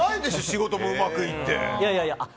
仕事もうまくいって。